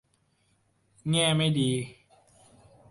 แง่ไม่ดี